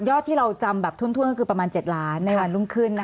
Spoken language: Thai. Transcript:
ยอดที่เราจำพวกถ้วงยาที่ก็คือ๗ล้านในวันรุ่งขึ้น